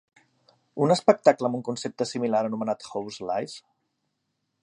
Un espectacle amb un concepte similar anomenat How's Life?